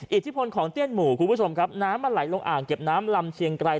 อิทธิพลของเตี้ยนหมู่คุณผู้ชมครับน้ำมันไหลลงอ่างเก็บน้ำลำเชียงไกร